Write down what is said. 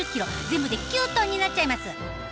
全部で９トンになっちゃいます。